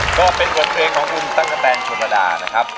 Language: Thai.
ก็เป็นกลุ่มเพลงของคุณตั้งแต่นโชฟะดานะครับ